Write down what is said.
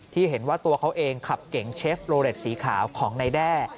ที่เห็นว่าตัวเขาเองขับเก๋งเชฟโลเล็ตสีขาวของนายแด้